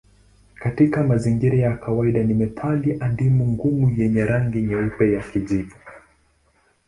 Katika mazingira ya kawaida ni metali adimu ngumu yenye rangi nyeupe ya kijivu.